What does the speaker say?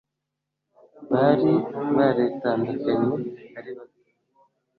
bari baretandukanye ari bato